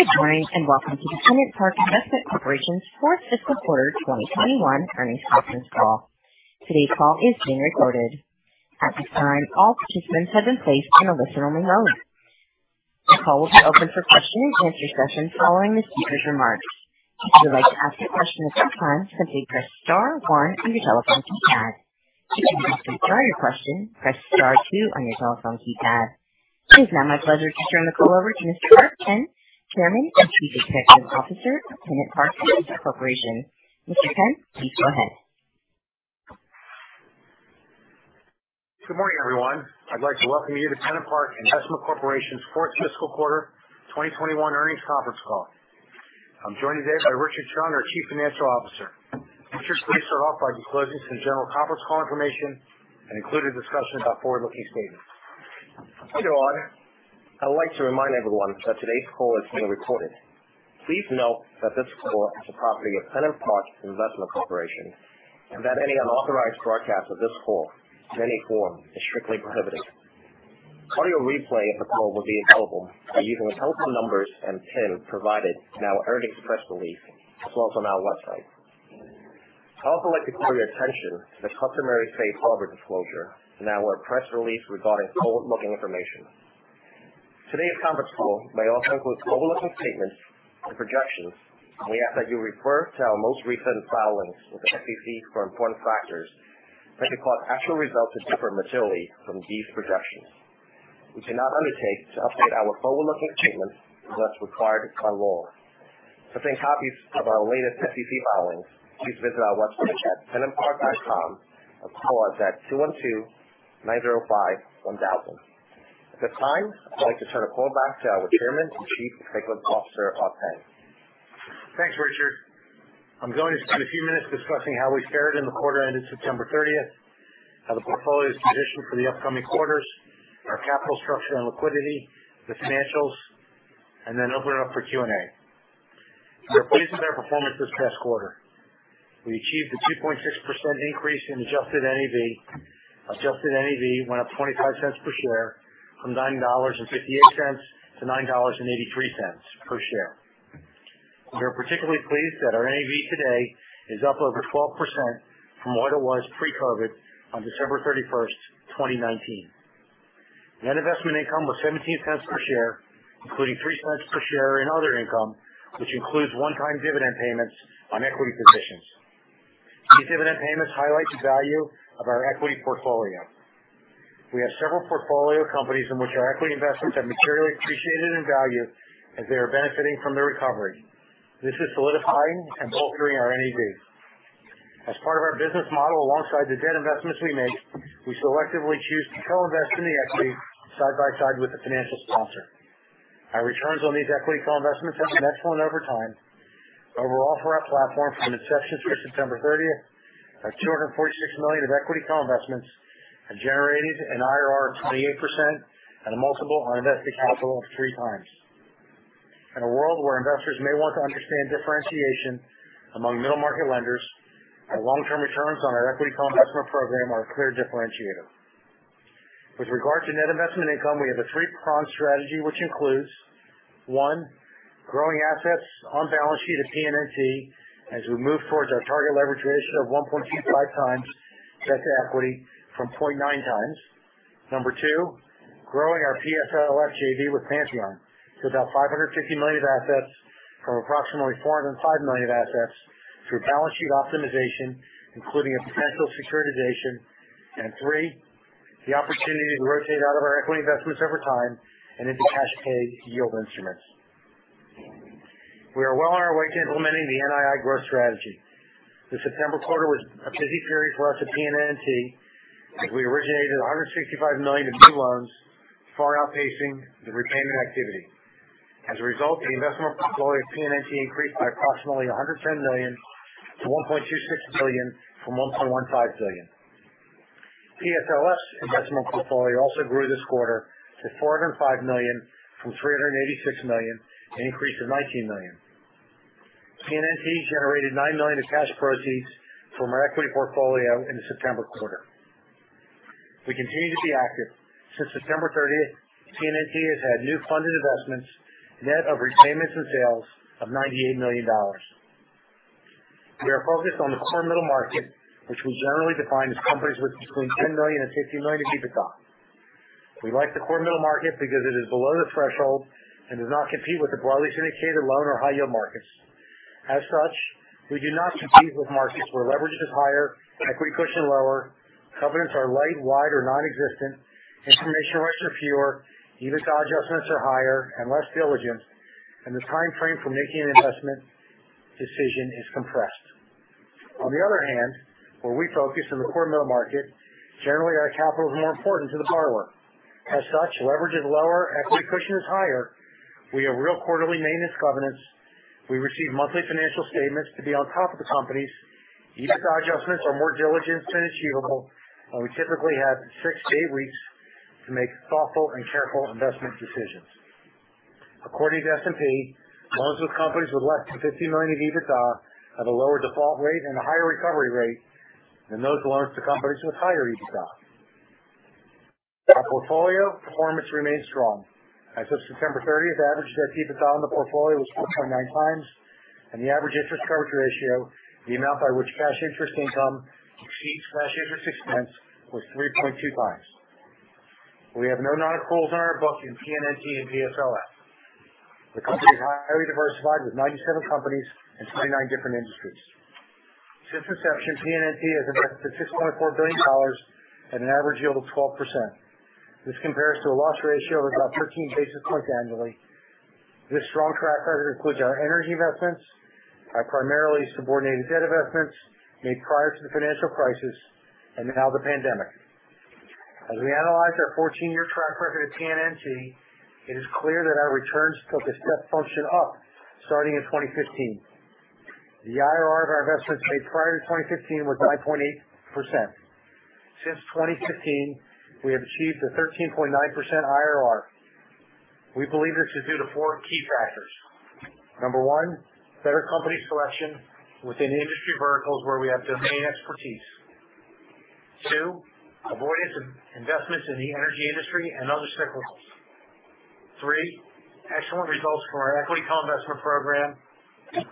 Good morning, and welcome to the PennantPark Investment Corporation's fourth fiscal quarter 2021 earnings conference call. Today's call is being recorded. At this time, all participants have been placed in a listen-only mode. The call will be opened for question-and-answer session following the speaker's remarks. If you would like to ask a question at that time, simply press star one on your telephone keypad. To withdraw your question, press star two on your telephone keypad. It is now my pleasure to turn the call over to Mr. Art Penn, Chairman and Chief Executive Officer of PennantPark Investment Corporation. Mr. Penn, please go ahead. Good morning, everyone. I'd like to welcome you to PennantPark Investment Corporation's fourth fiscal quarter 2021 earnings conference call. I'm joined today by Richard Allorto, our Chief Financial Officer. Richard, please start off by disclosing some general conference call information and include a discussion about forward-looking statements. Good morning. I'd like to remind everyone that today's call is being recorded. Please note that this call is the property of PennantPark Investment Corporation, and that any unauthorized broadcast of this call in any form is strictly prohibited. Audio replay of the call will be available by using the telephone numbers and PIN provided in our earnings press release, as well as on our website. I'd also like to call your attention to the customary safe harbor disclosure in our press release regarding forward-looking information. Today's conference call may also include forward-looking statements and projections, and we ask that you refer to our most recent filings with the SEC for important factors that could cause actual results to differ materially from these projections. We do not undertake to update our forward-looking statements unless required by law. To obtain copies of our latest SEC filings, please visit our website at pennantpark.com or call us at 212-905-1000. At this time, I'd like to turn the call back to our Chairman and Chief Executive Officer, Art Penn. Thanks, Richard. I'm going to spend a few minutes discussing how we fared in the quarter ending September 30th, how the portfolio is positioned for the upcoming quarters, our capital structure and liquidity, the financials, and then open it up for Q&A. We're pleased with our performance this past quarter. We achieved a 2.6% increase in adjusted NAV. Adjusted NAV went up 0.25 per share from $9.58 to $9.83 per share. We are particularly pleased that our NAV today is up over 12% from what it was pre-COVID on December 31st, 2019. Net investment income was $0.17 per share, including $0.03 per share in other income, which includes one-time dividend payments on equity positions. These dividend payments highlight the value of our equity portfolio. We have several portfolio companies in which our equity investments have materially appreciated in value as they are benefiting from the recovery. This is solidifying and bolstering our NAV. As part of our business model, alongside the debt investments we make, we selectively choose to co-invest in the equity side by side with the financial sponsor. Our returns on these equity co-investments have been excellent over time. Overall, for our platform, from inception through September 30th, our $246 million of equity co-investments have generated an IRR of 28% and a multiple on invested capital of 3x. In a world where investors may want to understand differentiation among middle market lenders, our long-term returns on our equity co-investment program are a clear differentiator. With regard to net investment income, we have a three-pronged strategy, which includes, one, growing assets on balance sheet of PNNT as we move towards our target leverage ratio of 1.25x debt to equity from 0.9x. Number two, growing our PSLF JV with Pantheon to about $550 million of assets from approximately $405 million of assets through balance sheet optimization, including a potential securitization. Three, the opportunity to rotate out of our equity investments over time and into cash paid yield instruments. We are well on our way to implementing the NII growth strategy. The September quarter was a busy period for us at PNNT as we originated $165 million in new loans, far outpacing the repayment activity. As a result, the investment portfolio of PNNT increased by approximately $110 million to $1.26 billion from $1.15 billion. PSLF's investment portfolio also grew this quarter to $405 million from $386 million, an increase of $19 million. PNNT generated $9 million of cash proceeds from our equity portfolio in the September quarter. We continue to be active. Since September 30th, PNNT has had new funded investments, net of repayments and sales of $98 million. We are focused on the core middle market, which we generally define as companies with between $10 million and $50 million in EBITDA. We like the core middle market because it is below the threshold and does not compete with the broadly syndicated loan or high yield markets. As such, we do not compete with markets where leverage is higher, equity cushion lower, covenants are light, wide or nonexistent, information rights are fewer, EBITDA adjustments are higher and less diligent, and the timeframe for making an investment decision is compressed. On the other hand, where we focus in the core middle market, generally our capital is more important to the borrower. As such, leverage is lower, equity cushion is higher. We have real quarterly maintenance covenants. We receive monthly financial statements to be on top of the companies. EBITDA adjustments are more diligent and achievable, and we typically have six-eight weeks to make thoughtful and careful investment decisions. According to S&P, loans to companies with less than $50 million of EBITDA have a lower default rate and a higher recovery rate than those loans to companies with higher EBITDA. Our portfolio performance remains strong. As of September 30, the average debt/EBITDA on the portfolio was 4.9x, and the average interest coverage ratio, the amount by which cash interest income exceeds cash interest expense, was 3.2x. We have no non-accruals on our book in PNNT and PSLF. The company is highly diversified with 97 companies in 29 different industries. Since inception, PNNT has invested $6.4 billion at an average yield of 12%. This compares to a loss ratio of about 13 basis points annually. This strong track record includes our energy investments, our primarily subordinated debt investments made prior to the financial crisis, and now the pandemic. As we analyze our 14-year track record at PNNT, it is clear that our returns took a step function up starting in 2015. The IRR of our investments made prior to 2015 was 9.8%. Since 2015, we have achieved a 13.9% IRR. We believe this is due to four key factors. Number one, better company selection within industry verticals where we have domain expertise. Two, avoidance of investments in the energy industry and other cyclicals. Three, excellent results from our equity co-investment program.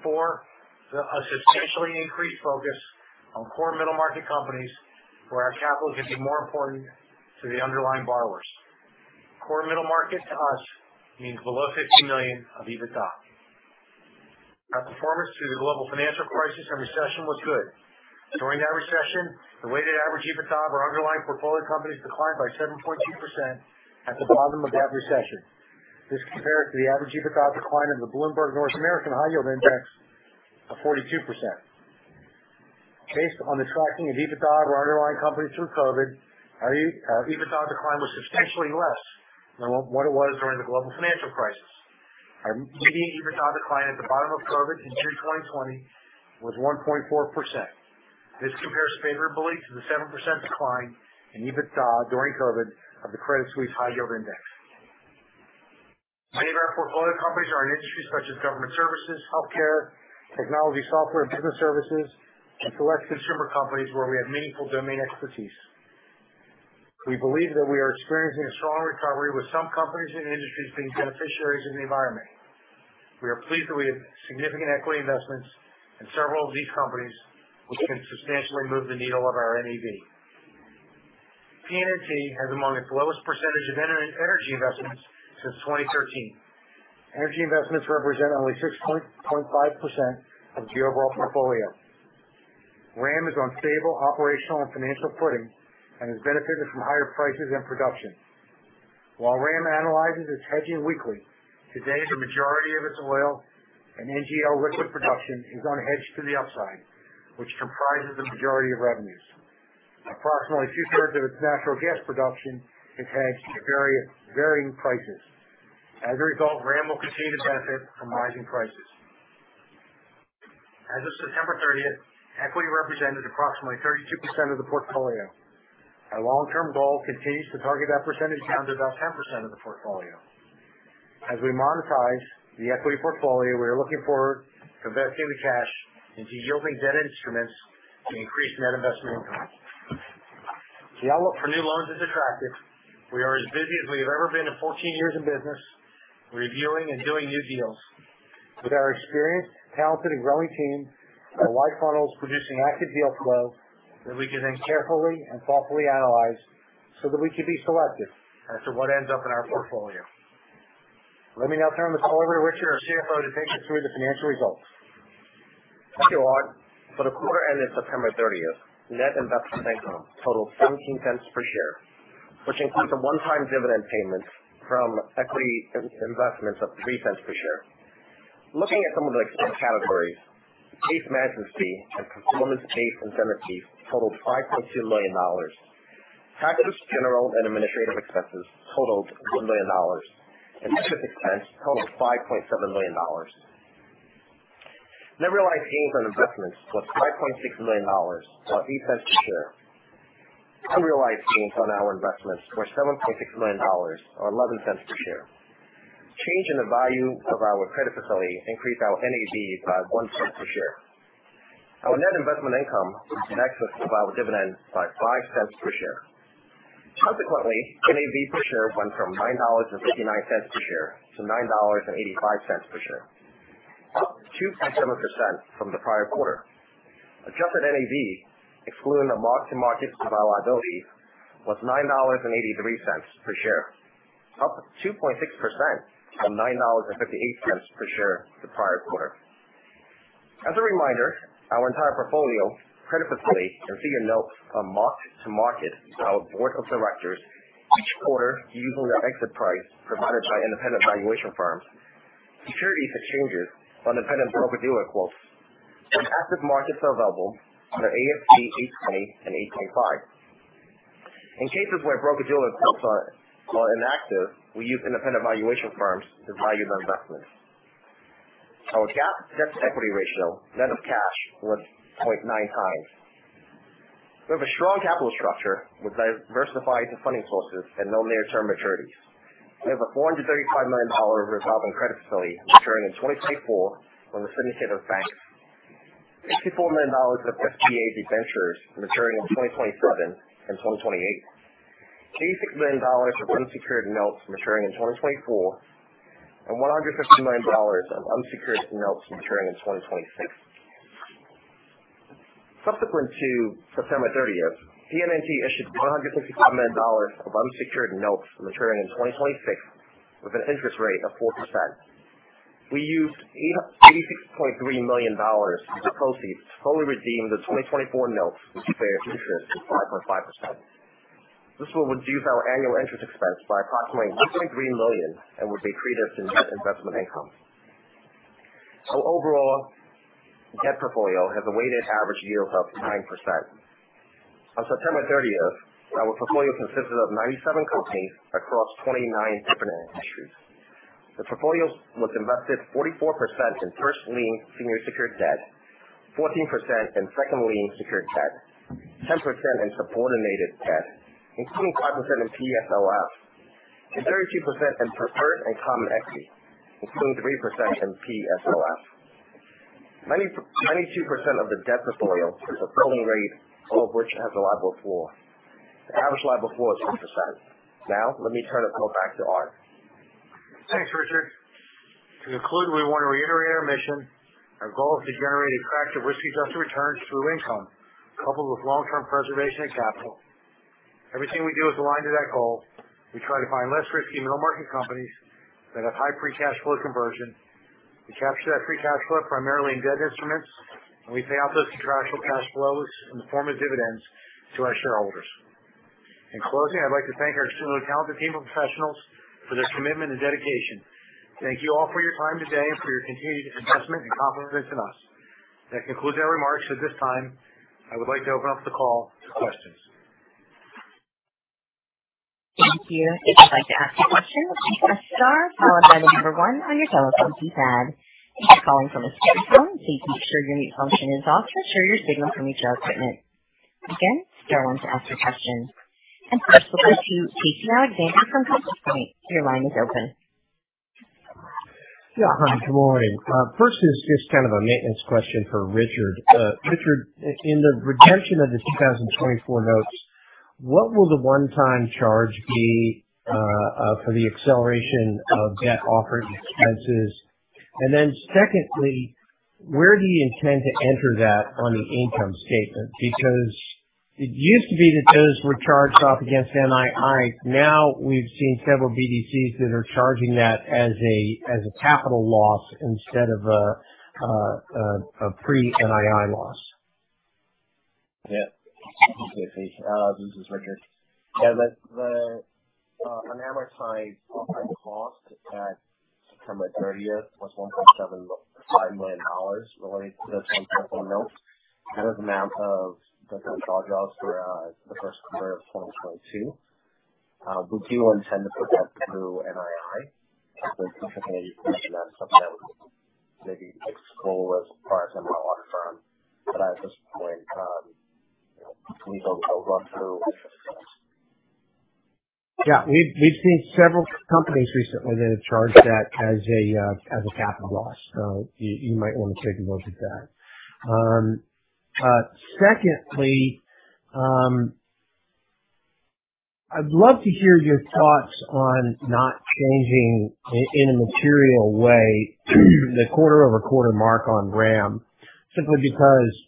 Four, a substantially increased focus on core middle market companies where our capital can be more important to the underlying borrowers. Core middle market to us means below $50 million of EBITDA. Our performance through the global financial crisis and recession was good. During that recession, the weighted average EBITDA of our underlying portfolio companies declined by 7.2% at the bottom of that recession. This compares to the average EBITDA decline in the Bloomberg North American High Yield Index of 42%. Based on the tracking of EBITDA of our underlying companies through COVID, our EBITDA decline was substantially less than what it was during the global financial crisis. Our median EBITDA decline at the bottom of COVID in June 2020 was 1.4%. This compares favorably to the 7% decline in EBITDA during COVID of the Credit Suisse High Yield Index. Many of our portfolio companies are in industries such as government services, healthcare, technology software and business services, and select consumer companies where we have meaningful domain expertise. We believe that we are experiencing a strong recovery, with some companies and industries being beneficiaries in the environment. We are pleased that we have significant equity investments in several of these companies which can substantially move the needle of our NAV. PNNT has among its lowest percentage of energy investments since 2013. Energy investments represent only 6.5% of the overall portfolio. RAM is on stable, operational, and financial footing and has benefited from higher prices and production. While RAM analyzes its hedging weekly, today the majority of its oil and NGL liquid production is unhedged to the upside, which comprises the majority of revenues. Approximately two-thirds of its natural gas production is hedged at varying prices. As a result, RAM will continue to benefit from rising prices. As of September 30th, equity represented approximately 32% of the portfolio. Our long-term goal continues to target that percentage down to about 10% of the portfolio. As we monetize the equity portfolio, we are looking to invest any cash into yielding debt instruments to increase net investment income. The outlook for new loans is attractive. We are as busy as we have ever been in 14 years in business, reviewing and doing new deals. With our experienced, talented, and growing team, our wide funnel is producing active deal flow that we can then carefully and thoughtfully analyze so that we can be selective as to what ends up in our portfolio. Let me now turn this over to Richard Allorto, our CFO, to take you through the financial results. Thank you, Art. For the quarter ended September 30th, net investment income totaled $0.17 per share, which includes a one-time dividend payment from equity investments of $0.03 per share. Looking at some of the expense categories, base management fee and performance-based incentive fee totaled $5.2 million. G&A expenses totaled $1 million. Interest expense totaled $5.7 million. Net realized gains on investments was $5.6 million or $0.08 per share. Unrealized gains on our investments were $7.6 million or $0.11 per share. Change in the value of our credit facility increased our NAV by $0.01 per share. Our net investment income was net of our dividend by $0.05 per share. Consequently, NAV per share went from $9.59 per share to $9.85 per share, up 2.7% from the prior quarter. Adjusted NAV, excluding the mark-to-market of our liabilities, was $9.83 per share, up 2.6% from $9.58 per share the prior quarter. As a reminder, our entire portfolio, credit facility, and senior notes are marked to market by our Board of Directors each quarter using the exit price provided by independent valuation firms. Securities [are valued] on independent broker-dealer quotes. When active markets are available under the ASC 820 and ASC 825. In cases where broker-dealer quotes are inactive, we use independent valuation firms to value the investments. Our GAAP debt to equity ratio, net of cash was 0.9x. We have a strong capital structure with diversified funding sources and no near-term maturities. We have a $435 million revolving credit facility maturing in 2024 from a syndicate of banks. $64 million of SBA debentures maturing in 2027 and 2028. $86 million of unsecured notes maturing in 2024. One hundred and fifty million dollars of unsecured notes maturing in 2026. Subsequent to September 30th, PNNT issued $165 million of unsecured notes maturing in 2026 with an interest rate of 4%. We used $86.3 million of the proceeds to fully redeem the 2024 notes, which bear interest of 5.5%. This will reduce our annual interest expense by approximately $1.3 million and will accrete to our net investment income. Our overall debt portfolio has a weighted average yield of 9%. On September 30th, our portfolio consisted of 97 companies across 29 different industries. The portfolio was invested 44% in first lien senior secured debt, 14% in second lien secured debt, 10% in subordinated debt, including 5% in PSLF, and 32% in preferred and common equity, including 3% in PSLF. 92% of the debt portfolio is a floating rate, all of which has a LIBOR floor. The average LIBOR floor is 6%. Now let me turn the call back to Art. Thanks, Richard. To conclude, we want to reiterate our mission. Our goal is to generate attractive risk-adjusted returns through income, coupled with long-term preservation of capital. Everything we do is aligned to that goal. We try to find less risky middle market companies that have high free cash flow conversion. We capture that free cash flow primarily in debt instruments, and we pay out those contractual cash flows in the form of dividends to our shareholders. In closing, I'd like to thank our extremely talented team of professionals for their commitment and dedication. Thank you all for your time today and for your continued investment and confidence in us. That concludes our remarks. At this time, I would like to open up the call to questions. Thank you. If you'd like to ask a question, press star followed by the number one on your telephone keypad. If you're calling from a cellphone, please make sure your mute function is off to ensure your signal can reach our equipment. Again, star one to ask your question. First, we'll go to Casey Alexander from Compass Point. Your line is open. Yeah. Hi, good morning. First is just kind of a maintenance question for Richard. Richard, in the redemption of the 2024 notes, what will the one-time charge be for the acceleration of debt offering expenses? Then secondly, where do you intend to enter that on the income statement? It used to be that those were charged off against NII. Now we've seen several BDCs that are charging that as a capital loss instead of a pre-NII loss. Okay, Casey. This is Richard Allorto. The unamortized offering cost at September 30th was $1.75 million relating to those 2024 notes and that amount of debt on drawdowns for the first quarter of 2022. We do intend to put that through NII. There's the opportunity to recognize something that would maybe be capital as far as our long-term. At this point, you know, we're not going to run through. Yeah. We've seen several companies recently that have charged that as a capital loss. So, you might wanna take a look at that. Secondly, I'd love to hear your thoughts on not changing in a material way the quarter-over-quarter mark on RAM. Simply because,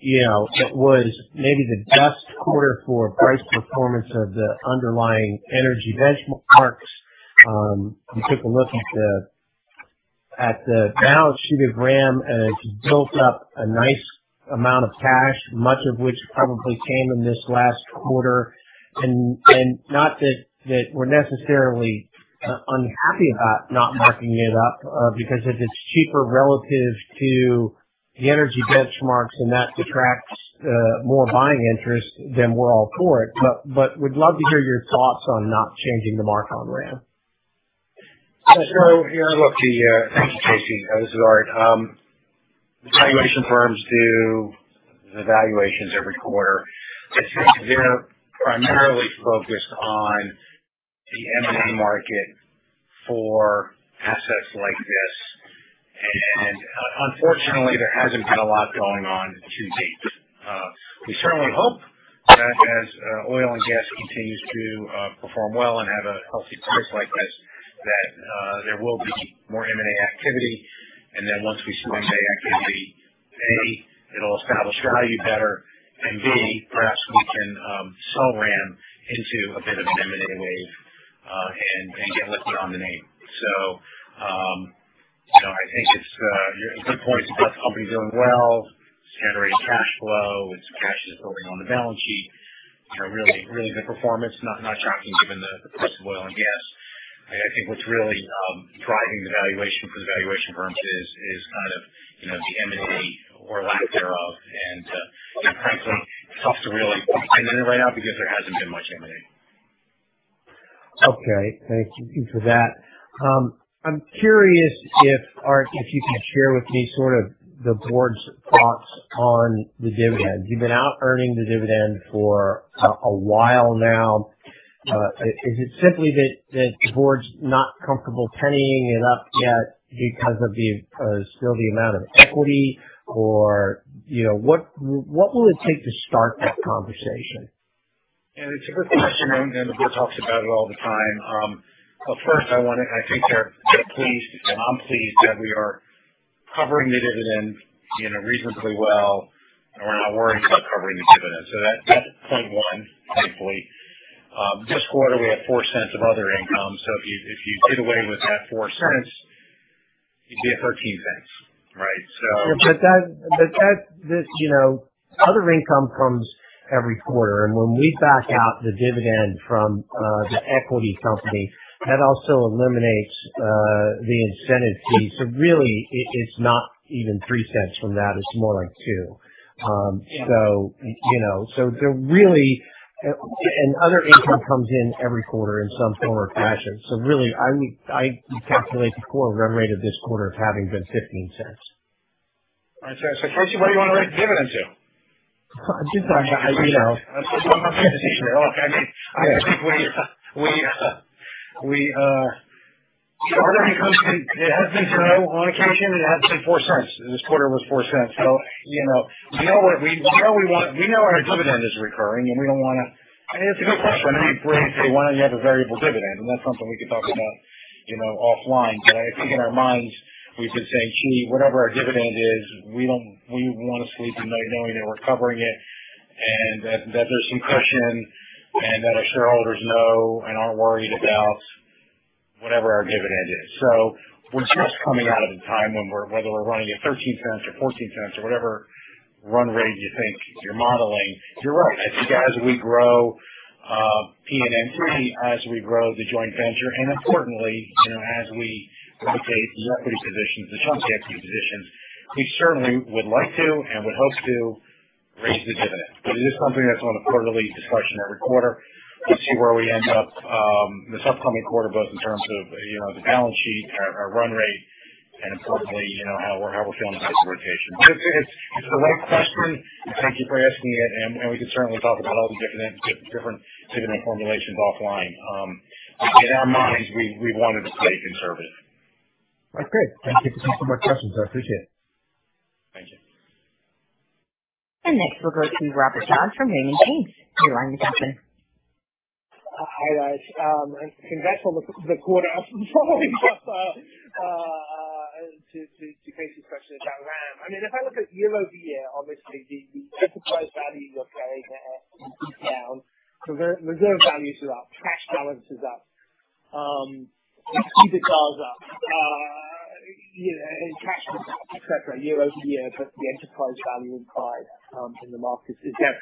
you know, it was maybe the best quarter for price performance of the underlying energy benchmarks. We took a look at the balance sheet of RAM, and it's built up a nice amount of cash, much of which probably came in this last quarter. Not that we're necessarily unhappy about not marking it up, because if it's cheaper relative to the energy benchmarks and that attracts more buying interest, then we're all for it. we'd love to hear your thoughts on not changing the mark on RAM. Thank you, Casey. This is Art. The valuation firms do the valuations every quarter. They're primarily focused on the M&A market for assets like this. Unfortunately, there hasn't been a lot going on to date. We certainly hope that as oil and gas continues to perform well and have a healthy price like this, that there will be more M&A activity. Once we see M&A activity, A, it'll establish value better, and B, perhaps we can sell RAM into a bit of an M&A wave and get lifted on the name. You know, I think it's a good point. It's about the company doing well. It's generating cash flow. It's cash just building on the balance sheet. You know, really the performance not shocking given the price of oil and gas. I think what's really driving the valuation for the valuation firms is kind of, you know, the M&A or lack thereof. You know, frankly, it's tough to really put a finger on it right now because there hasn't been much M&A. Okay. Thank you for that. I'm curious if, Art, if you could share with me sort of the board's thoughts on the dividend. You've been out earning the dividend for a while now. Is it simply that the board's not comfortable bumping it up yet because of the still the amount of equity or, you know. What will it take to start that conversation? It's a good question, and the board talks about it all the time. But first I think they're pleased, and I'm pleased that we are covering the dividend, you know, reasonably well, and we're not worried about covering the dividend. So that's point one, thankfully. This quarter, we have $0.04 of other income, so if you did away with that $0.04, you'd be at $0.13. Right. So- This, you know, other income comes every quarter. When we back out the dividend from the equity company, that also eliminates the incentive fee. Really, it's not even $0.03 from that. It's more like $0.02. You know, other income comes in every quarter in some form or fashion. Really, I calculate the core run rate of this quarter as having been $0.15. All right. Casey, what do you wanna raise the dividend to? Just, you know. Look, I mean, I think we you know other income it has been zero on occasion, it has been $0.04. This quarter was $0.04. So, you know, we know what we want, we know our dividend is recurring, and we don't wanna. I mean, it's a good question. I mean, where you say, "Why don't you have a variable dividend?" That's something we could talk about, you know, offline. I think in our minds, we've been saying, "Gee, whatever our dividend is, we wanna sleep at night knowing that we're covering it and that there's some cushion and that our shareholders know and aren't worried about whatever our dividend is." We're just coming out of a time when, whether we're running at $0.13 or $0.14 or whatever run rate you think you're modeling. You're right. I think as we grow PNM three, as we grow the joint venture, and importantly, you know, as we allocate the equity positions, the chunk equity positions, we certainly would like to and would hope to raise the dividend. It is something that's on the quarterly discussion every quarter. We'll see where we end up this upcoming quarter, both in terms of, you know, the balance sheet, our run rate, and importantly, you know, how we're feeling about the rotation. It's the right question. Thank you for asking it. We can certainly talk about all the different dividend formulations offline. In our minds, we've wanted to play conservative. That's great. Thank you. Those are all my questions. I appreciate it. Thank you. Next, we'll go to Robert Dodd from Raymond James. Your line is open. Hi, guys. Congrats on the quarter. Following up to Casey's question about RAM. I mean, if I look at year-over-year, obviously the enterprise value you're carrying is down. Reserve values are up. Cash balance is up. EBITDA is up. You know, and cash et cetera, year-over-year. The enterprise value implied in the market is down.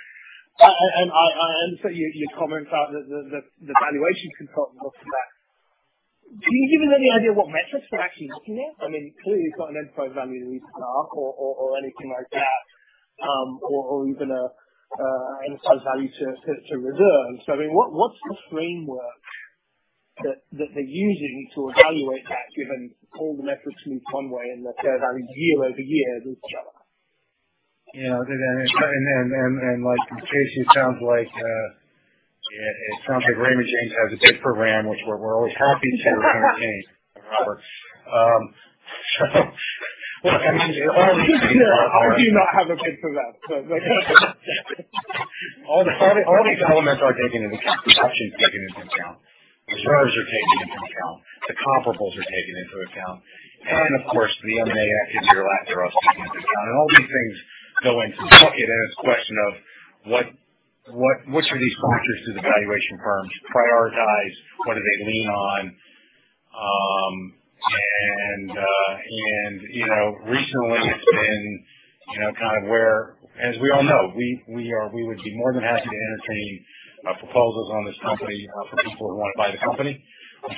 I understand your comment about the valuation consultant got to that. Can you give us any idea what metrics they're actually looking at? I mean, clearly, it's not an enterprise value to EBITDA or anything like that, or even a enterprise value to reserves. I mean, what's the framework that they're using to evaluate that, given all the metrics move one way and the fair value year-over-year has been stellar? You know, and like Casey, it sounds like Raymond James has a bid for RAM, which we're always happy to entertain, Robert. Look, I mean, all these things are- I do not have a bid for that. All these elements are taken into account. Production is taken into account. Reserves are taken into account. The comparables are taken into account. Of course, the M&A activity are taken into account. All these things go into the bucket, and it's a question of which of these factors do the valuation firms prioritize? What do they lean on? You know, recently it's been, you know, kind of where. As we all know, we would be more than happy to entertain proposals on this company for people who wanna buy the company.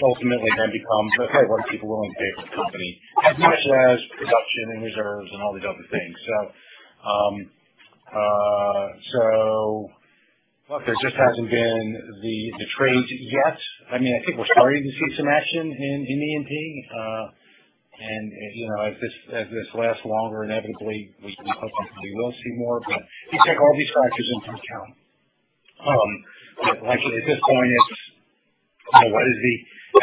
Ultimately that becomes, okay, what are people willing to pay for the company as much as production and reserves and all these other things. Look, there just hasn't been the trade yet. I mean, I think we're starting to see some action in E&P. You know, as this lasts longer, inevitably we hopefully will see more. You take all these factors into account. Luckily at this point it's kind of what is the...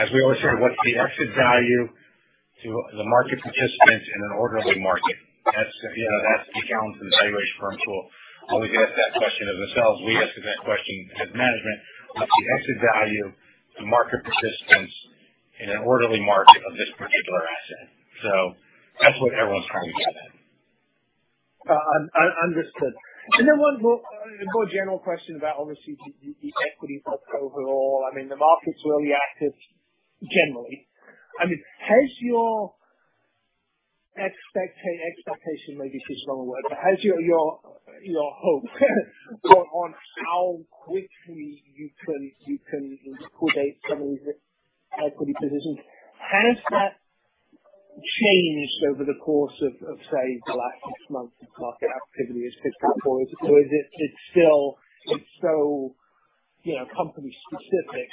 As we always say, what's the exit value to the market participants in an orderly market? That's, you know, that's the accountants and the valuation firms will always ask that question of themselves. We ask them that question as management. What's the exit value to market participants in an orderly market of this particular asset? That's what everyone's trying to get at. Understood. One more more general question about obviously the equity folks overall. I mean, the market's really active generally. I mean, has your expectation may be too strong a word, but has your hopes gone on how quickly you can liquidate some of these equity positions? Has that changed over the course of say, the last six months as market activity has picked up, or is it still so you know, company specific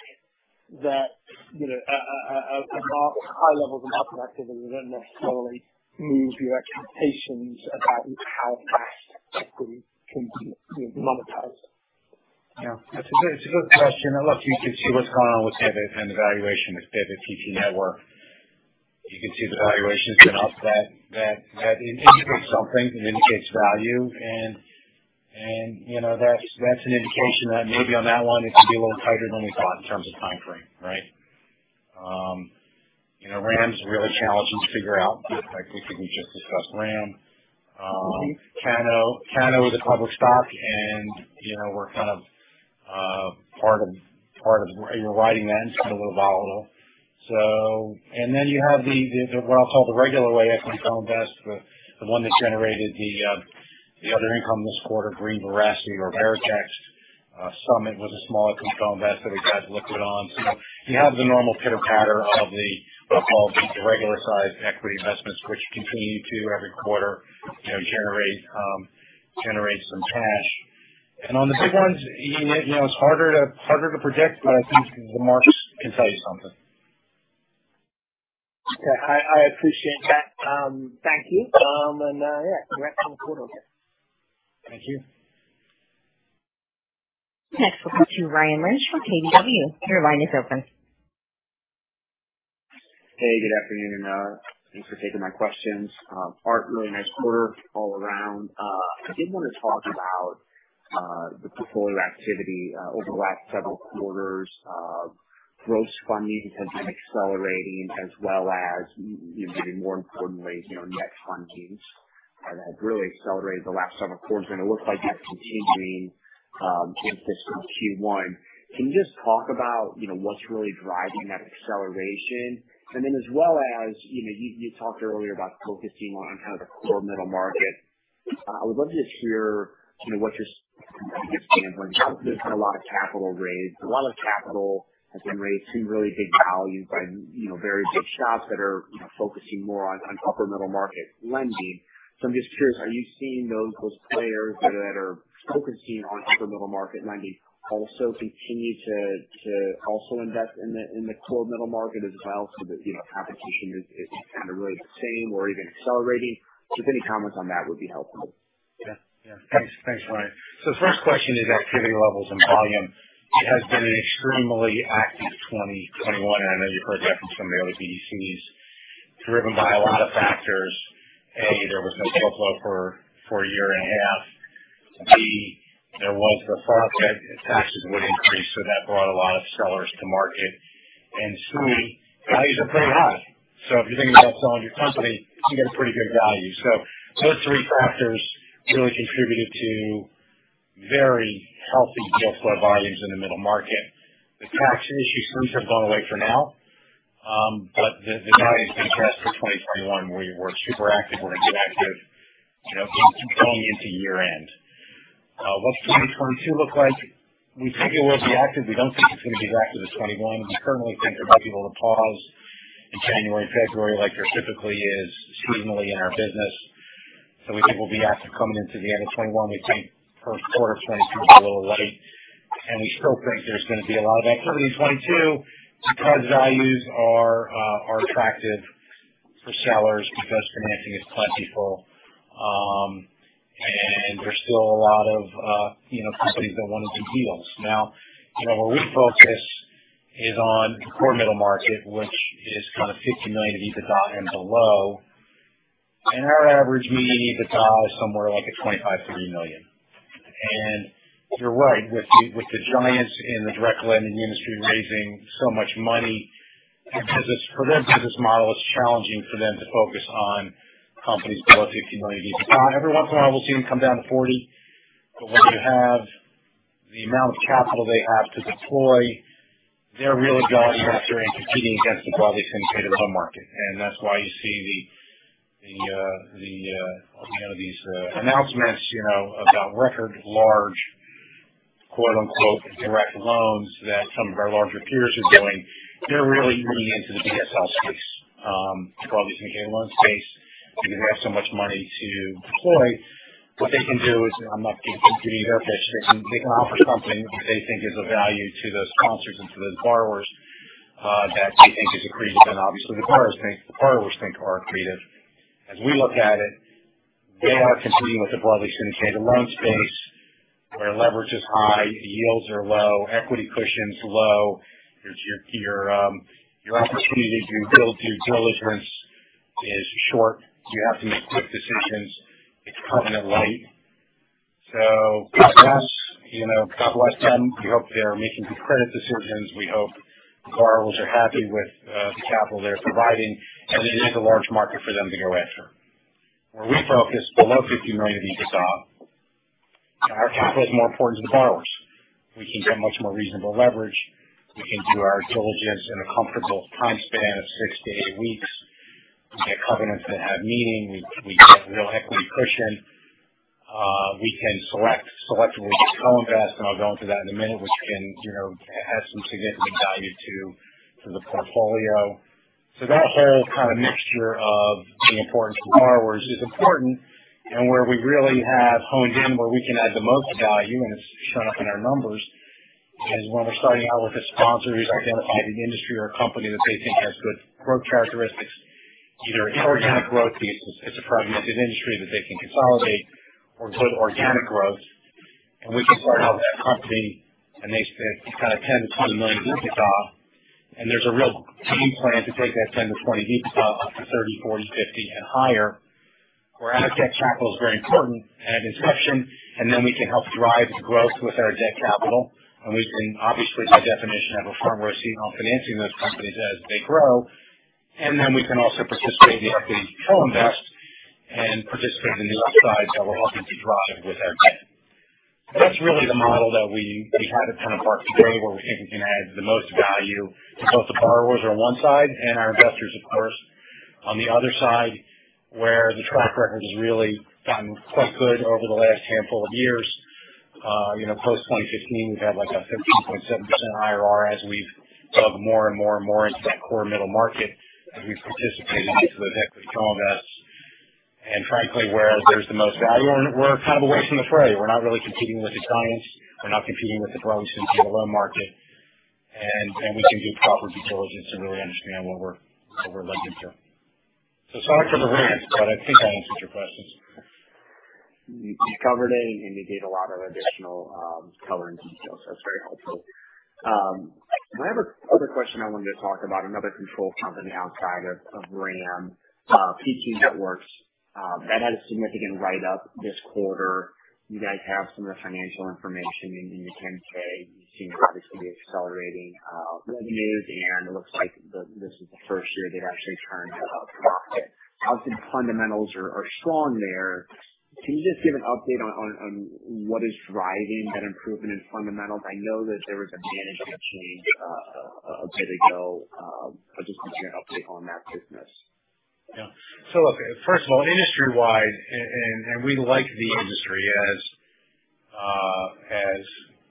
that you know, high levels of market activity doesn't necessarily move your expectations about how fast equity can be you know, monetized. Yeah. It's a good question. Look, you can see what's going on with PT Network and the valuation with PT Network. You can see the valuation's been up. That indicates something. It indicates value. You know, that's an indication that maybe on that one, it can be a little tighter than we thought in terms of timeframe, right? You know, RAM's really challenging to figure out. I think we just discussed RAM. Cano is a public stock and, you know, we're kind of part of it, we're riding that, and it's been a little volatile. So. Then you have the what I'll call the regular way equity co-invest, the one that generated the other income this quarter, Green Berets or Veritex. Summit was a small equity co-invest that we got liquid on. You have the normal pitter-patter of the, what I'll call the regular size equity investments, which continue to every quarter, you know, generate some cash. On the big ones, you know, it's harder to project, but I think the markets can tell you something. Yeah, I appreciate that. Thank you. Yeah, congrats on the quarter. Thank you. Next, we'll go to Ryan Lynch from KBW. Your line is open. Hey, good afternoon, and thanks for taking my questions. Art, really nice quarter all around. I did wanna talk about the portfolio activity over the last several quarters. Gross funding has been accelerating as well as, you know, maybe more importantly, you know, net fundings have really accelerated the last several quarters, and it looks like that's continuing into Q1. Can you just talk about, you know, what's really driving that acceleration? And then as well as, you know, you talked earlier about focusing on kind of the core middle market. I would love to just hear, you know, what your competitive standpoint. There's been a lot of capital raised. A lot of capital has been raised through really big vehicles by, you know, very big shops that are, you know, focusing more on upper middle market lending. I'm just curious, are you seeing those players that are focusing on upper middle market lending also continue to also invest in the core middle market as well so that, you know, competition is kind of really the same or even accelerating? Just any comments on that would be helpful. Yeah. Thanks, Ryan. The first question is activity levels and volume. It has been an extremely active 2021, and I know you've heard the efforts from the other BDCs, driven by a lot of factors. A, there was no flow for a year and a half. B, there was the thought that taxes would increase, so that brought a lot of sellers to market. C, values are pretty high. If you're thinking about selling your company, you get a pretty good value. Those three factors really contributed to very healthy deal flow volumes in the middle market. The tax issue seems to have gone away for now, but the value has been set for 2021, where we're super active. We're gonna be active, you know, going into year-end. What's 2022 look like? We think it will be active. We don't think it's gonna be as active as 2021. We currently think there might be a little pause in January, February, like there typically is seasonally in our business. We think we'll be active coming into the end of 2021. We think first quarter of 2022 will be a little light. We still think there's gonna be a lot of activity in 2022 because values are attractive for sellers because financing is plentiful. There's still a lot of, you know, companies that wanna do deals. Now, you know, where we focus is on the core middle market, which is kind of $50 million EBITDA and below. Our average median EBITDA is somewhere like at $25 million-$30 million. You're right, with the giants in the direct lending industry raising so much money for their business model, it's challenging for them to focus on companies below 50 million EBITDA. Every once in a while, we'll see them come down to 40, but when you have the amount of capital they have to deploy, they're really after value and competing against the broadly syndicated loan market. That's why you see you know, these announcements you know, about record large, quote-unquote, direct loans that some of our larger peers are doing. They're really leaning into the BSL space, the broadly syndicated loan space, because they have so much money to deploy. What they can do is, I'm not getting into any of their business. They can offer something which they think is of value to those sponsors and to those borrowers, that they think is accretive, and obviously the borrowers think are accretive. As we look at it, they are competing with the broadly syndicated loan space, where leverage is high, yields are low, equity cushion's low. There's your opportunity to build due diligence is short. You have to make quick decisions. It's covenant light. God bless. You know, God bless them. We hope they're making good credit decisions. We hope the borrowers are happy with the capital they're providing, and it is a large market for them to go after. Where we focus, below $50 million of EBITDA, our capital is more important to the borrowers. We can get much more reasonable leverage. We can do our diligence in a comfortable time span of six-eight weeks. We get covenants that have meaning. We get real equity cushion. We can select where we co-invest, and I'll go into that in a minute, which can, you know, add some significant value to the portfolio. That whole kind of mixture of the importance of borrowers is important. Where we really have honed in, where we can add the most value, and it's shown up in our numbers, is when we're starting out with a sponsor who's identified an industry or a company that they think has good growth characteristics, either inorganic growth pieces, it's a fragmented industry that they can consolidate or good organic growth. We can start out that company, and they've got a 10-20 million EBITDA, and there's a real game plan to take that 10-20 EBITDA up to 30, 40, 50 and higher. Where added debt capital is very important at inception, and then we can help drive growth with our debt capital. We can obviously, by definition, have a front row seat on financing those companies as they grow. Then we can also participate in the equity co-invest and participate in the upside that we're helping to drive with our debt. That's really the model that we try to kind of pursue today, where we think we can add the most value to both the borrowers on one side and our investors, of course, on the other side, where the track record has really gotten quite good over the last handful of years. You know, post 2015, we've had like a 15.7% IRR as we've dove more and more and more into that core middle market as we've participated in some of those equity co-invest. Frankly, where there's the most value and we're kind of away from the fray. We're not really competing with the giants. We're not competing with the broad BSL loan market. We can do proper due diligence and really understand what we're lending to. Sorry for the rant, but I think I answered your questions. You covered it, and you gave a lot of additional color and detail, so that's very helpful. I have another question I wanted to talk about, another control company outside of RAM, PT Networks, that had a significant write-up this quarter. You guys have some of the financial information in your 10-K. You seem to obviously be accelerating revenues, and it looks like this is the first year they've actually turned a profit. Obviously, the fundamentals are strong there. Can you just give an update on what is driving that improvement in fundamentals? I know that there was a management change a bit ago. I'd just like to get an update on that business. Yeah. Look, first of all, industry-wide, and we like the industry. As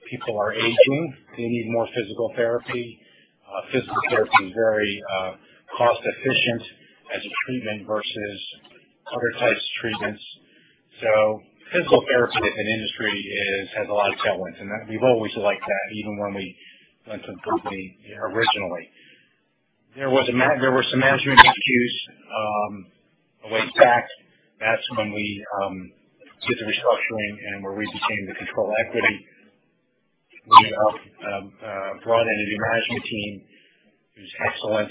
people are aging, they need more physical therapy. Physical therapy is very cost efficient as a treatment versus other types of treatments. Physical therapy as an industry has a lot of tailwinds, and we've always liked that, even when we went to the company originally. There were some management issues a ways back. That's when we did the restructuring and were retaining the control equity. We have brought in a new management team who's excellent,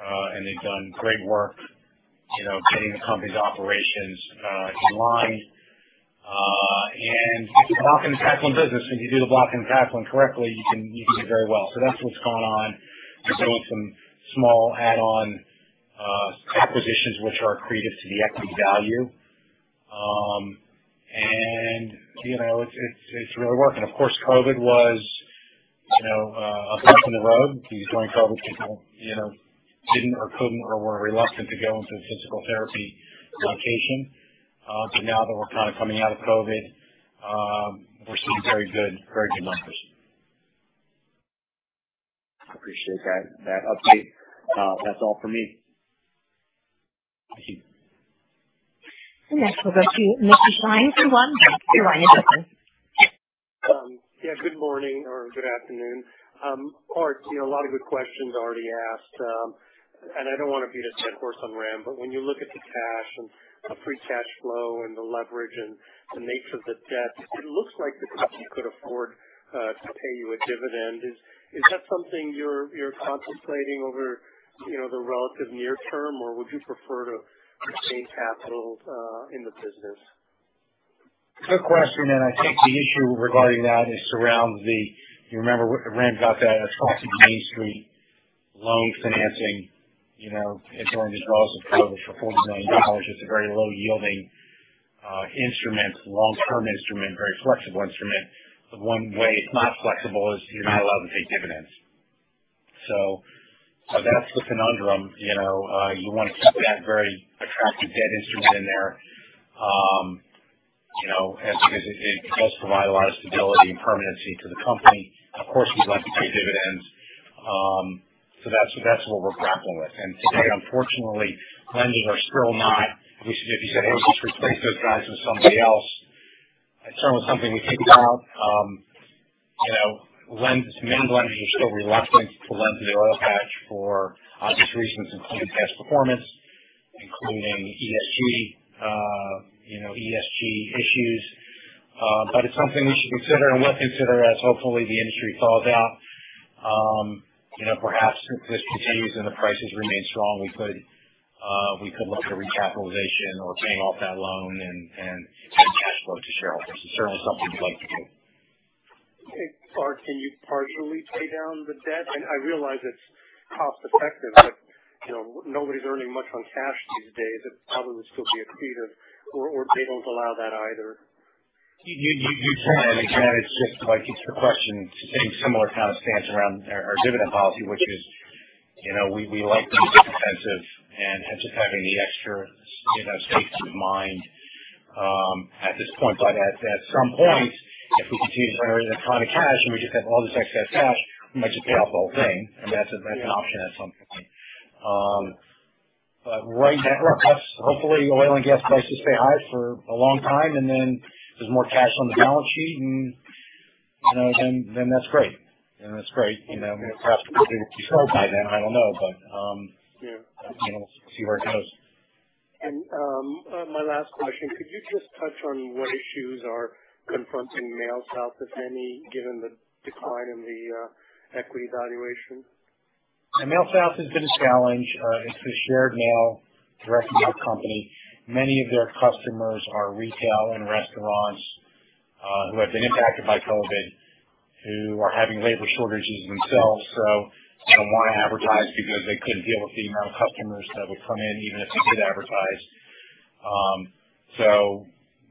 and they've done great work, you know, getting the company's operations in line. It's a blocking and tackling business. When you do the blocking and tackling correctly, you can do very well. That's what's gone on. We've done some small add-on acquisitions which are accretive to the equity value. You know, it's really working. Of course, COVID was, you know, a bump in the road. These COVID people, you know, didn't or couldn't or were reluctant to go into the physical therapy location. Now that we're kind of coming out of COVID, we're seeing very good numbers. I appreciate that update. That's all for me. Thank you. Next we'll go to Mickey Schleien at Ladenburg Thalmann. Your line is open. Yeah, good morning or good afternoon. Art, you know, a lot of good questions already asked. I don't want to beat a dead horse on RAM, but when you look at the cash and the free cash flow and the leverage and the nature of the debt, it looks like the company could afford to pay you a dividend. Is that something you're contemplating over, you know, the relative near term, or would you prefer to retain capital in the business? Good question. I think the issue regarding that is around the. You remember when RAM got that SBA Main Street loan financing. You know, it's one of those draws of COVID for $40 million. It's a very low-yielding, long-term instrument, very flexible instrument. The one way it's not flexible is you're not allowed to take dividends. So that's the conundrum. You know, you want to keep that very attractive debt instrument in there because it does provide a lot of stability and permanency to the company. Of course, we'd like to pay dividends. So that's what we're grappling with. Today, unfortunately, lenders are still not. We should, if you say, "Hey, let's replace those guys with somebody else," it's certainly something we think about. You know, some main lenders are still reluctant to lend to the oil patch for obvious reasons, including past performance, including ESG, you know, ESG issues. It's something we should consider and will consider as hopefully the industry thaws out. You know, perhaps if this continues and the prices remain strong, we could look to recapitalization or paying off that loan and give cash flow to shareholders. It's certainly something we'd like to do. Okay. Art, can you partially pay down the debt? I realize it's cost effective, but, you know, nobody's earning much on cash these days. It'd probably still be accretive, or they don't allow that either. You can. Again, it's just like it's the question, similar kind of stance around our dividend policy, which is. You know, we like being defensive and just having the extra, you know, safety of mind at this point. But at some point, if we continue to generate a ton of cash and we just have all this excess cash, we might just pay off the whole thing. And that's an option at some point. But right now, hopefully oil and gas prices stay high for a long time and then there's more cash on the balance sheet and, you know, then that's great. You know, that's great. You know, perhaps we'll do it sooner by then. I don't know. But Yeah. You know, see where it goes. My last question, could you just touch on what issues are confronting Mspark, if any, given the decline in the equity valuation? Mspark has been a challenge. It's the shared mail directly with the company. Many of their customers are retail and restaurants, who have been impacted by COVID, who are having labor shortages themselves. They don't want to advertise because they couldn't deal with the amount of customers that would come in even if they did advertise.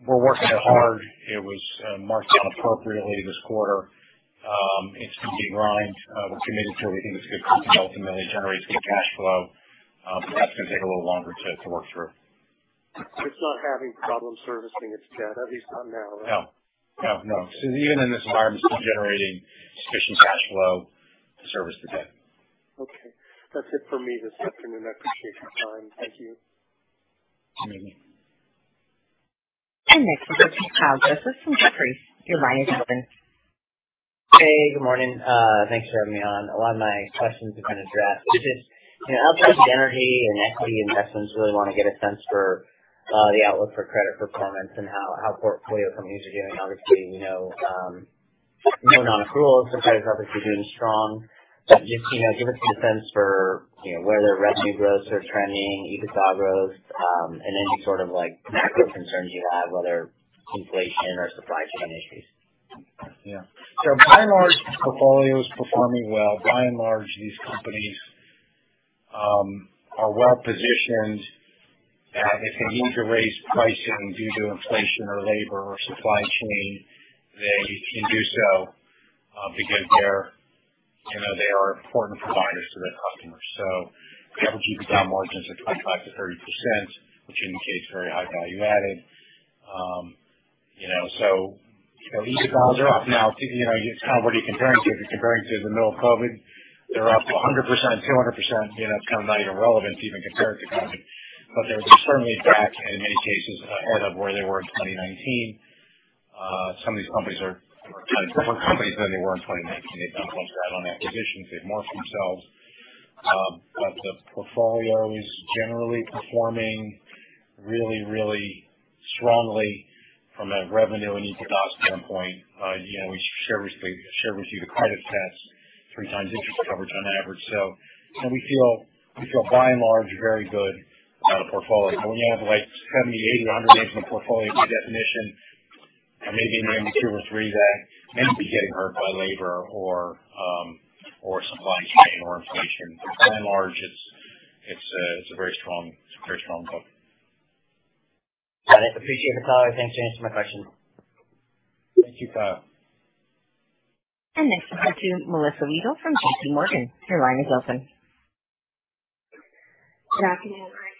We're working it hard. It was marked down appropriately this quarter. It's getting run. We're committed to it. We think it's good for development and it generates good cash flow. That's gonna take a little longer to work through. It's not having problem servicing its debt, at least not now, right? No. Even in this environment, it's still generating sufficient cash flow to service the debt. Okay. That's it for me this afternoon. I appreciate your time. Thank you. Thank you. Next we'll go to Kyle Joseph from Jefferies. Your line is open. Hey, good morning. Thanks for having me on. A lot of my questions have been addressed. Just, you know, outside of energy and equity investments, really want to get a sense for the outlook for credit performance and how portfolio companies are doing. Obviously, you know, no non-accruals so credit portfolio is doing strong. Just, you know, give us a sense for, you know, where their revenue growths are trending, EBITDA growth, and any sort of like macro concerns you have, whether inflation or supply chain issues. Yeah. By and large, the portfolio is performing well. By and large, these companies are well positioned. If they need to raise pricing due to inflation or labor or supply chain, they can do so, because they're, you know, they are important providers to their customers. We have EBITDA margins of 25%-30%, which indicates very high value added. You know, EBITDA is up. Now, you know, it's kind of what are you comparing to? If you're comparing to the middle of COVID, they're up to 100%, 200%. You know, it's kind of not even relevant to even compare it to COVID. They're certainly back, in many cases, ahead of where they were in 2019. Some of these companies are different companies than they were in 2019. They've done some add-on acquisitions. They've morphed themselves. The portfolio is generally performing really, really strongly from a revenue and EBITDA standpoint. You know, we share with you the credit stats, 3x interest coverage on average. You know, we feel by and large a very good portfolio. When you have like 70, 80, 100 names in the portfolio, by definition, there may be a name or two or three that may be getting hurt by labor or supply chain or inflation. By and large, it's a very strong book. Got it. Appreciate the color. Thanks for answering my questions. Thank you, Kyle. Next we'll go to Melissa Wedel from J.P. Morgan. Your line is open. Good afternoon. Thanks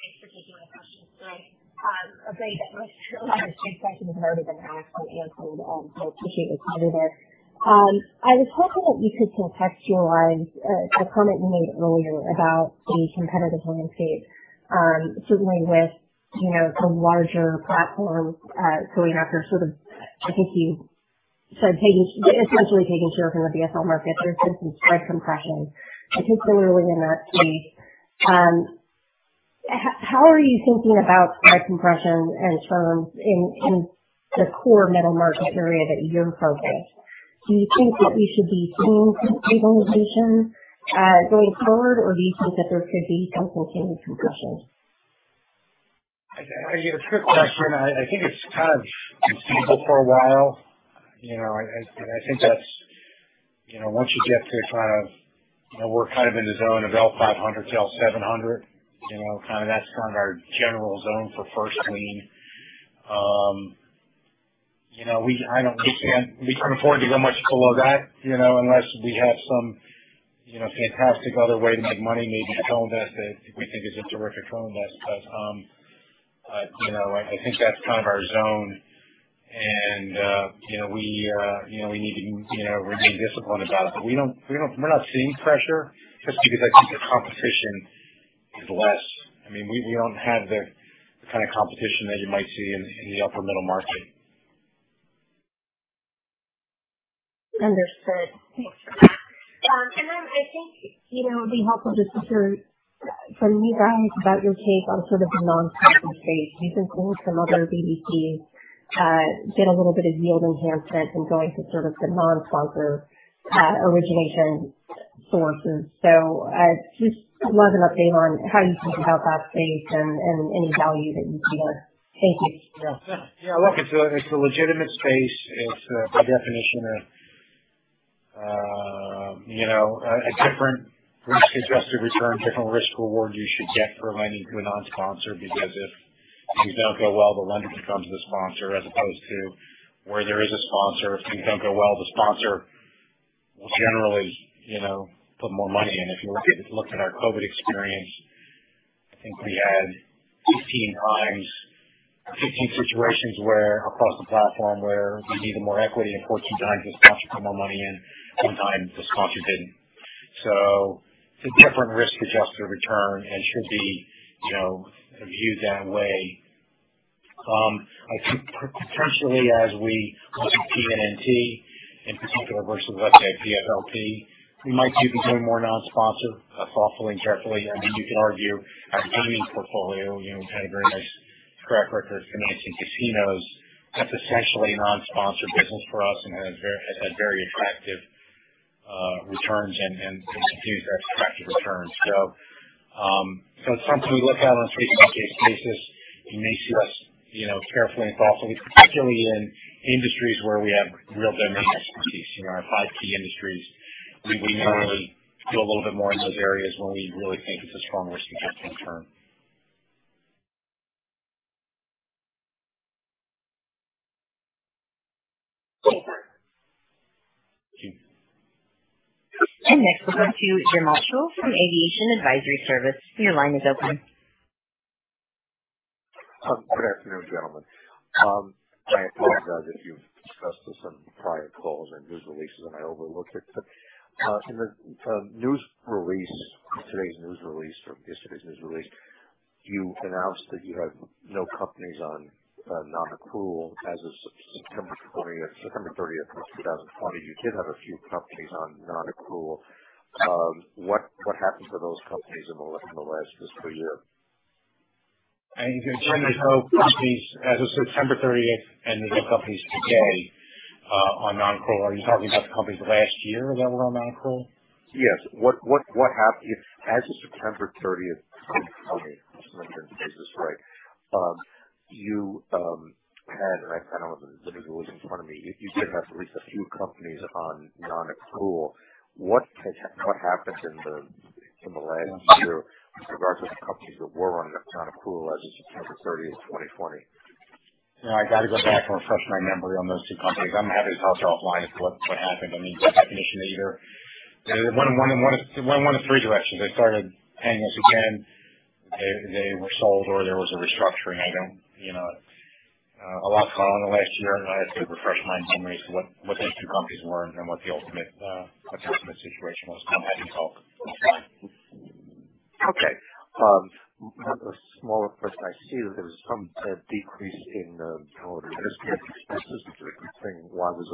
for taking my questions today. I'll say that most, a lot of the questions have already been asked and answered. So, I appreciate the color there. I was hoping that you could contextualize a comment you made earlier about the competitive landscape, certainly with, you know, some larger platforms going after sort of I think you said taking, essentially taking share from the BSL market. There's been some spread compression, particularly within that space. How are you thinking about spread compression in terms in the core middle market area that you're focused? Do you think that we should be seeing some stabilization going forward? Or do you think that there could be some continued compression? I get a good question. I think it's kind of been stable for a while. You know, and I think that's, you know, once you get to kind of, you know, we're kind of in the zone of L 500-L 700. You know, that's our general zone for first lien. You know, we can't afford to go much below that, you know, unless we have some, you know, fantastic other way to make money, maybe a loan desk that we think is terrific. But, you know, I think that's kind of our zone and, you know, we need to, you know, remain disciplined about it. We don't, we're not seeing pressure just because I think the competition is less. I mean, we don't have the kind of competition that you might see in the upper middle market. Understood. Thanks. I think, you know, it would be helpful just to hear from you guys about your take on sort of the non-sponsor space. We've been seeing some other BDCs get a little bit of yield enhancement and going to sort of the non-sponsor origination sources. I just would love an update on how you think about that space and any value that you see there. Thank you. Yeah. Yeah, look, it's a legitimate space. It's by definition a you know a different risk-adjusted return, different risk reward you should get for lending to a non-sponsor because if things don't go well, the lender becomes the sponsor as opposed to where there is a sponsor. If things don't go well, the sponsor will generally you know put more money in. If you look at our COVID experience, I think we had 15 situations where across the platform where we needed more equity and 14x the sponsor put more money in, one time the sponsor didn't. It's a different risk-adjusted return and should be you know viewed that way. I think potentially as we look at PNNT in particular versus, let's say, PFLT, we might be doing more non-sponsor thoughtfully and carefully. I mean, you can argue our gaming portfolio, you know, we've had a very nice track record financing casinos. That's essentially non-sponsor business for us and has had very attractive returns and continues our attractive returns. It's something we look at on a case-by-case basis, initiate, you know, carefully and thoughtfully, particularly in industries where we have real domain expertise. You know, our five key industries, we normally do a little bit more in those areas when we really think it's a stronger risk-adjusted return. Go for it. Thank you. Next, we'll go to Jim Marshall from Aviation Advisory Service. Your line is open. Good afternoon, gentlemen. I apologize if you've discussed this on prior calls or news releases, and I overlooked it. In the news release, today's news release or yesterday's news release, you announced that you have no companies on non-accrual as of September 20th-September 30th, 2020, you did have a few companies on non-accrual. What happened to those companies over the last fiscal year? You can confirm there's no companies as of September 30th and there's no companies today on non-accrual. Are you talking about the companies last year that were on non-accrual? Yes. What happened as of September 30th, 2020? Okay, let me get the business right. You had, and I don't have the news release in front of me. You did have at least a few companies on non-accrual. What happened in the last year with regards to companies that were on non-accrual as of September 30th, 2020? No, I got to go back and refresh my memory on those two companies. I'm happy to talk to you offline as to what happened. I mean, by definition, they either went in one of three directions. They started paying us again. They were sold or there was a restructuring item. You know, a lot has gone on in the last year, and I'd have to refresh my memory as to what those two companies were and what the ultimate attachment situation was. I'm happy to talk. Okay. A smaller question. I see that there's some decrease in total administrative expenses between quarters.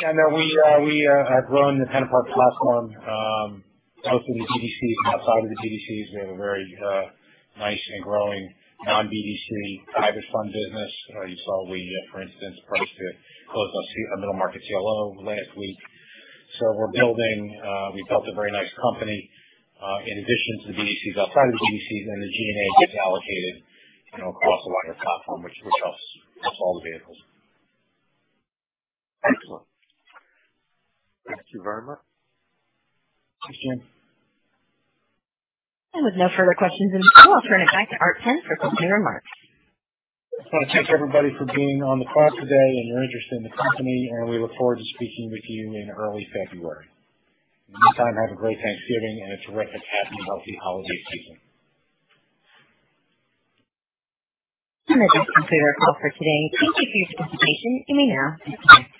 Yeah, no, we have grown the PennantPark platform both in the BDCs and outside of the BDCs. We have a very nice and growing non-BDC private fund business. You know, you saw we, for instance, priced it close to a middle market CLO last week. We're building, we built a very nice company in addition to the BDCs. Outside of the BDCs and the G&A gets allocated, you know, across a lot of the platform which helps all the vehicles. Excellent. Thank you very much. Thanks, Jim. With no further questions in queue, I'll turn it back to Art Penn for closing remarks. I just want to thank everybody for being on the call today and your interest in the company, and we look forward to speaking with you in early February. In the meantime, have a great Thanksgiving and a terrific, happy, and healthy holiday season. That does conclude our call for today. Thank you for your participation. You may now disconnect.